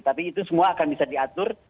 tapi itu semua akan bisa diatur